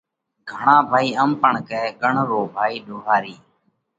گھڻا ڀائِي ام پڻ ڪئه: ڳڻ رو ڀائِي ۮوهارِي۔